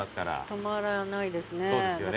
止まらないですね。